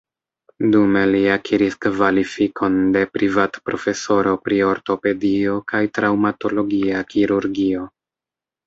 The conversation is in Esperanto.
Dume li akiris kvalifikon de privatprofesoro pri ortopedio kaj traŭmatologia kirurgio.